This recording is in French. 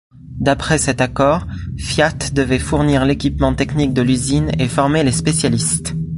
D'après cet accord, Fiat devait fournir l'équipement technique de l'usine et former les spécialistes.